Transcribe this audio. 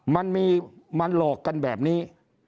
มันมีมันหลอกกันแบบนี้